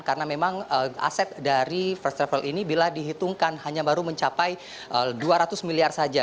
karena memang aset dari first travel ini bila dihitungkan hanya baru mencapai dua ratus miliar saja